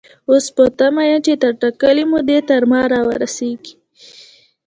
اوس په تمه يم چې تر ټاکلې مودې تر ما را ورسيږي.